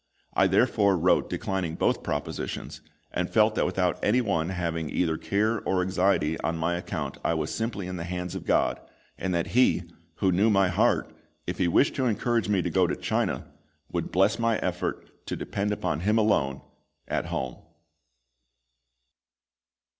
I therefore wrote declining both propositions, and felt that without any one having either care or anxiety on my account I was simply in the hands of GOD, and that He, who knew my heart, if He wished to encourage me to go to China, would bless my effort to depend upon Him alone at home.